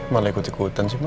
malah ikut ikutan sih ma